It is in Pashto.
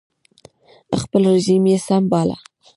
خپل رژیم یې سم باله